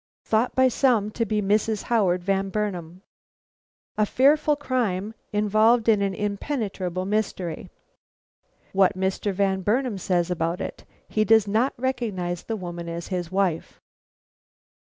THOUGHT BY SOME TO BE MRS. HOWARD VAN BURNAM. A FEARFUL CRIME INVOLVED IN AN IMPENETRABLE MYSTERY. WHAT MR. VAN BURNAM SAYS ABOUT IT: HE DOES NOT RECOGNIZE THE WOMAN AS HIS WIFE.